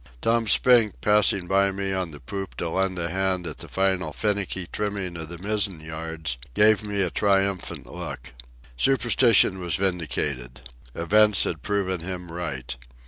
Tom Spink, passing by me on the poop to lend a hand at the final finicky trimming of the mizzen yards, gave me a triumphant look. Superstition was vindicated. Events had proved him right.